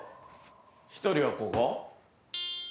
１人はここ？